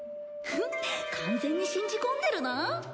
フッ完全に信じ込んでるな